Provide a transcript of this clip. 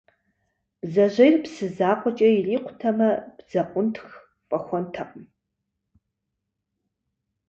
Бдзэжьейр псы закъуэкӏэ ирикъутэмэ бдзэкъунтх фӏэхуэнтэкъым.